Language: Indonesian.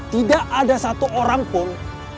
tidak ada satu orang pun